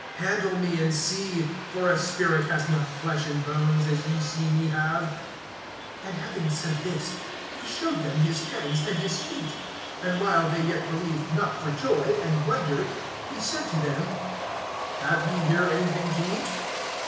Handle me, and see; for a spirit has not flesh and bones, as ye see me have. (40)And having said this, he showed them his hands and his feet. (41)And while they yet believed not for joy, and wondered, he said to them: Have ye here anything to eat?